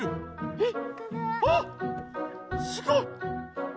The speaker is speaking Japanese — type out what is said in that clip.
えっ！